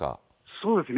そうですね。